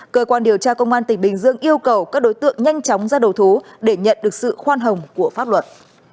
cơ quan điều tra công an tỉnh bình dương yêu cầu các đối tượng nhanh chóng ra đầu thú để nhận được sự khoan hồng của pháp luật